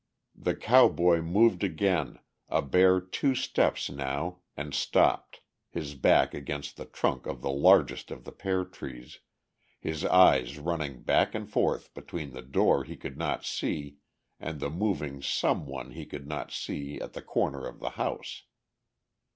The cowboy moved again, a bare two steps now, and stopped, his back against the trunk of the largest of the pear trees, his eyes running back and forth between the door he could not see and the moving some one he could not see at the corner of the house.